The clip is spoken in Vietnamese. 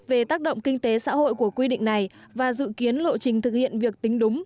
về tác động kinh tế xã hội của quy định này và dự kiến lộ trình thực hiện việc tính đúng